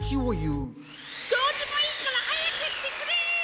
どうでもいいからはやくしてくれ！